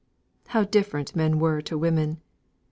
How different men were to women!